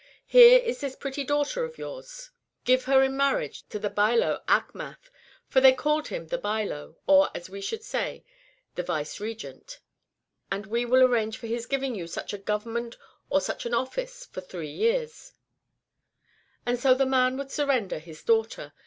llere is this prt;lty daughter of yours; give Chap. XXIII. THE PLOT AGAINST ACIIMATII 417 her in marriage to the Bailo Achmath (for they called him ' the Bailo,' or, as we should say, ' the Vicegerent '),^ and we will arrange for his giving you such a govern ment or such an office for three years." And so the man would surrender his dauohter.